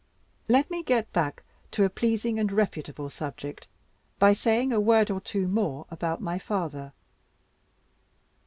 Let me get back to a pleasing and reputable subject, by saying a word or two more about my father.